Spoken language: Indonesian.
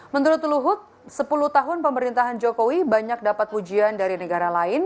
menurut luhut sepuluh tahun pemerintahan jokowi banyak dapat pujian dari negara lain